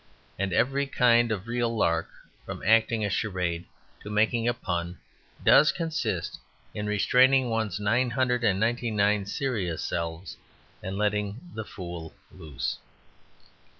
And every kind of real lark, from acting a charade to making a pun, does consist in restraining one's nine hundred and ninety nine serious selves and letting the fool loose.